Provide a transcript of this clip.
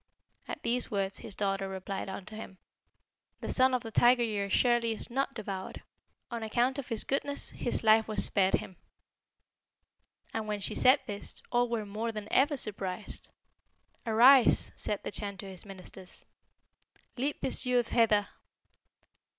At these words his daughter replied unto him, 'The Son of the Tiger year assuredly is not devoured. On account of his goodness his life was spared him.' "And when she said this, all were more than ever surprised. 'Arise!' said the Chan to his ministers, 'lead this youth hither.'